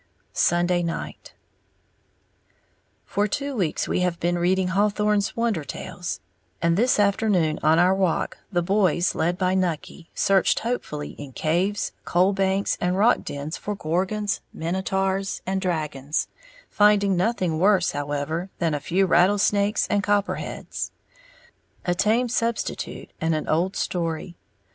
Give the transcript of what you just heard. Sunday Night. For two weeks we have been reading Hawthorne's Wonder Tales; and this afternoon on our walk the boys, led by Nucky, searched hopefully in caves, coal banks and rock dens for gorgons, minotaurs and dragons, finding nothing worse, however, than a few rattlesnakes and copperheads, a tame substitute and an old story.